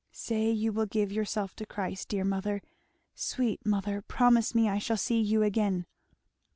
Say you will give yourself to Christ dear mother! sweet mother! promise me I shall see you again!